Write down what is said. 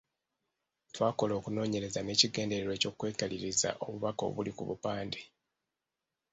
Twakola okunoonyereza n’ekigenderwa eky’okwekaliriza obubaka obuli ku bupande.